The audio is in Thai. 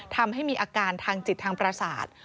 ทำให้มีอาการทางจิตทางประสาท